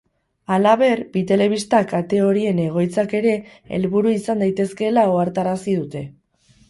Halaber, bi telebista kate horien egoitzak ere helburu izan daitezkeela ohartarazi dute.